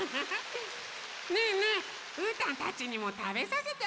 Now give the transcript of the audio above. ねえねえうーたんたちにもたべさせてあげようよ。